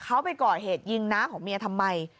เขาไปก่อเหตุยิงน้าของเมียทำไม